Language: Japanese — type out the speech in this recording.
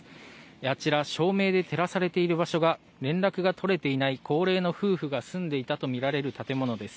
あちら照明で照らされている場所が連絡が取れていない高齢の夫婦が住んでいたとみられる建物です。